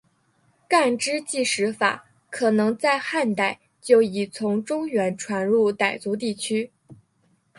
干支纪时法可能在汉代就已从中原传入傣族地区。